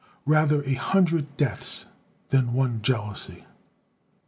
Rather a hundred deaths, than one jealousy."